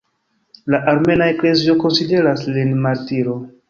La Armena Eklezio konsideras lin martiro.